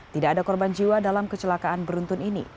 tidak ada korban jiwa dalam kecelakaan beruntun ini